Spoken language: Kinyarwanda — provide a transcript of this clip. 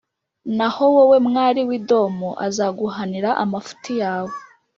Naho wowe, mwari w’i Edomu, azaguhanira amafuti yawe,